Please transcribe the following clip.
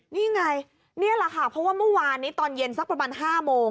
นี่ไงนี่แหละค่ะเพราะว่าเมื่อวานนี้ตอนเย็นสักประมาณ๕โมง